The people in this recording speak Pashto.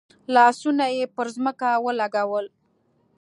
لاسونه یې پر ځمکه ولګول.